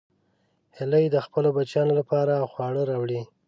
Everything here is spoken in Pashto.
هیلۍ د خپلو بچیانو لپاره خواړه راوړي